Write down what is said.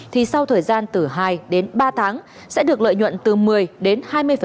thì sau thời gian từ hai đến ba tháng sẽ được lợi nhuận từ một mươi đến hai mươi